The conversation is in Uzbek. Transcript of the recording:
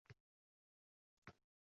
Endiyam qay tomonga borishini bilolmadi.